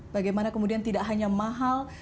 bagaimana kemudian tidak hanya mahal